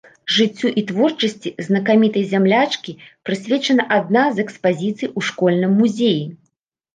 Жыццю і творчасці знакамітай зямлячкі прысвечана адна з экспазіцый у школьным музеі.